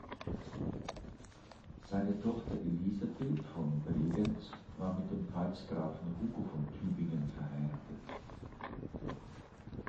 Seine Tochter Elisabeth von Bregenz war mit dem Pfalzgrafen Hugo von Tübingen verheiratet.